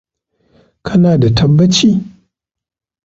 Kana da tabbaci?